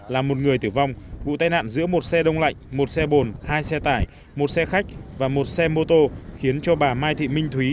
là một người tử vong vụ tai nạn giữa một xe đông lạnh một xe bồn hai xe tải một xe khách và một xe mô tô khiến cho bà mai thị minh thúy